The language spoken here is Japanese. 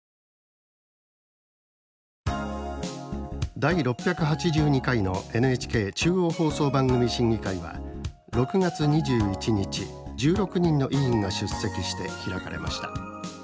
第６８２回のＮＨＫ中央放送番組審議会は６月２１日１６人の委員が出席して開かれました。